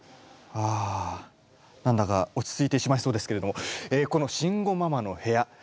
あ何だか落ち着いてしまいそうですけれどもえこの「慎吾ママの部屋」